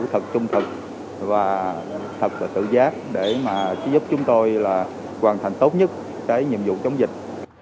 thật trung thực và thật là tự giác để mà giúp chúng tôi là hoàn thành tốt nhất cái nhiệm vụ chống dịch